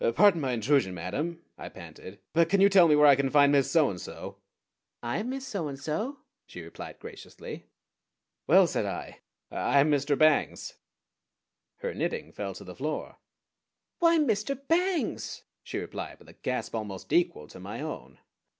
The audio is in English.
"Pardon my intrusion, madam," I panted, "but can you tell me where I can find Miss So and So?" "I am Miss So and So," she replied graciously. "Well," said I, "I am Mr. Bangs." Her knitting fell to the floor. "Why Mr. Bangs!" she replied, with a gasp almost equal to my own.